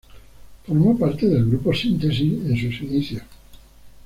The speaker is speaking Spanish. Formó parte del Grupo Síntesis en sus inicios.